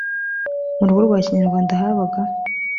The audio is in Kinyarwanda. mu rugo rwa kinyarwanda habaga